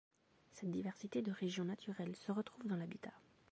Cette diversité de regions naturelles se retrouve dans l'habitat.